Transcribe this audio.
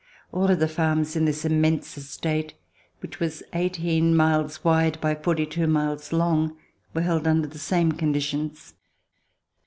All of the farms in his immense estate, which was eighteen miles wide by forty two miles long, were held under the same conditions.